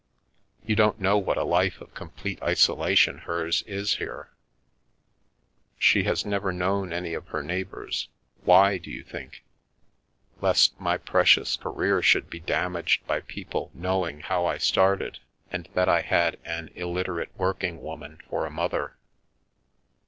You don't know what a life of complete isolation hers is here. She has never known any of her neighbours — why, do you think? Lest my precious career should be damaged by people knowing how I started and that I had an illiterate working woman for a mother.